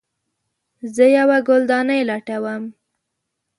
زه یوه ګلدانۍ لټوم